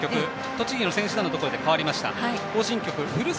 栃木の選手団のとき変わりました。